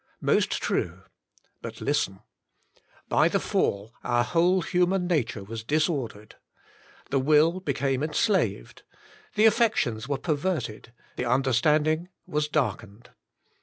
Most true ; but listen. By the fall our whole human nature was disordered. The will became enslaved, the affections were perverted, the understanding was darkened.